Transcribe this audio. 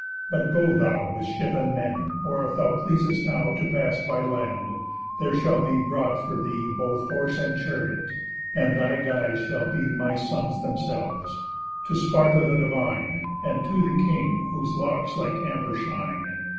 But go thou With ship and men (or, if thou pleasest now To pass by land, there shall be brought for thee Both horse and chariot, and thy guides shall be My sons themselves) to Sparta the divine, And to the king whose locks like amber shine.